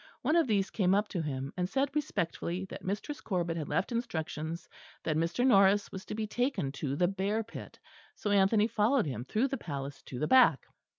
One of these came up to him, and said respectfully that Mistress Corbet had left instructions that Mr. Norris was to be taken to the bear pit; so Anthony followed him through the palace to the back.